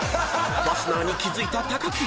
［ファスナーに気付いた木。